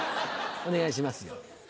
お願いしますよ